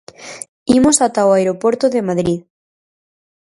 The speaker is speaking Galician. Imos ata o aeroporto de Madrid.